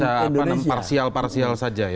bisa apa namanya parsial parsial saja ya